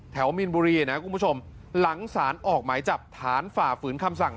มินบุรีนะคุณผู้ชมหลังสารออกหมายจับฐานฝ่าฝืนคำสั่ง